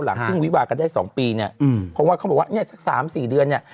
เพิ่งวิวากันได้สองปีเนี่ยเพราะว่าเขาบอกว่าเนี่ยสักสามสี่เดือนเนี่ย